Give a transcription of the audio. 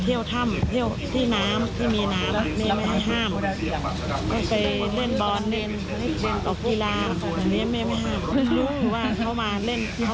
ถ้าเข้าไปเผาไปโครงสามารถที่เขาไม่เจอ